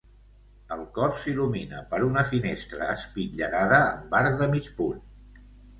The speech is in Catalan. El cor s'il·lumina per una finestra espitllerada amb arc de mig punt.